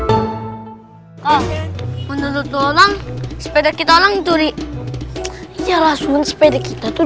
oh menurut lu orang sepeda kita orang curi iyalah sepeda kita tuh